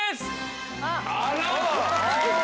あら！